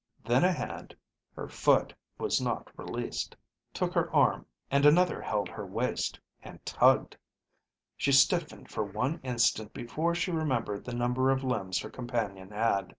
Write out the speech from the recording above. Then a hand (her foot was not released) took her arm, and another held her waist, and tugged. She stiffened for one instant before she remembered the number of limbs her companion had.